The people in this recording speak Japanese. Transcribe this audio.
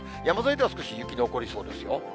山沿いでは少し雪残りそうですよ。